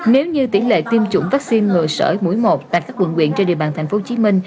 nếu như tỉ lệ tiêm chủng vaccine ngựa sở mũi một tại các quận huyện trên địa bàn tp hcm